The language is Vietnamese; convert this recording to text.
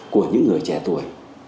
của những người trẻ tuổi